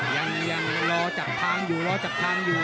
ยังรอจากทางอยู่รอจากทางอยู่